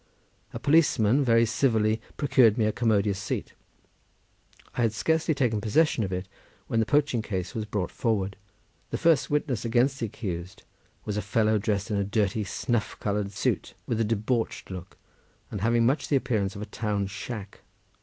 A policeman very civilly procured me a commodious seat. I had scarcely taken possession of it when the poaching case was brought forward. The first witness against the accused was a fellow dressed in a dirty snuff coloured suit, with a debauched look, and having much the appearance of a town shack.